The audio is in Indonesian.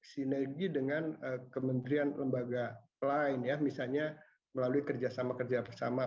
sinergi dengan kementerian lembaga lain ya misalnya melalui kerjasama kerjasama